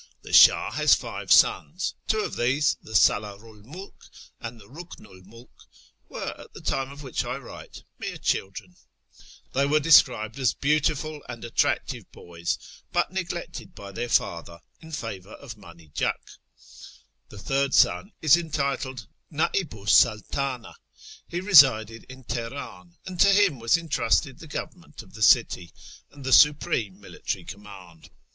The Shah has five sons. Two of these, the Sdldru 'l Mulk and the Buknu 'l Mulk, were, at the time of which I write, mere children. They were described as beautiful and attrac I04 A YEAR AMONGST THE PERSIANS tive boys, but neglected by tlieir father in I'avoiir of Manijak. The third son is entitled NiVihu 's Saltana. He resided in Teheran, and to him was entrusted the government of the city and the suiireme military connnand.